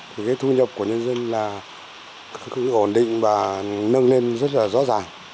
thì cái thu nhập của nhân dân là ổn định và nâng lên rất là rõ ràng